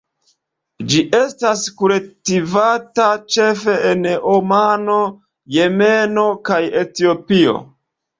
Ĝi estas kultivata ĉefe en Omano, Jemeno kaj Etiopio.